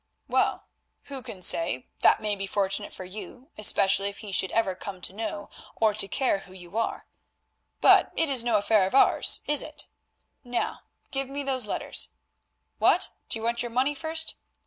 "Well, who can say, that may be fortunate for you, especially if he should ever come to know or to care who you are. But it is no affair of ours, is it? Now, give me those letters. What, do you want your money first?